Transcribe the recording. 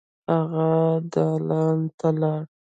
هغه دالان ته لاړ.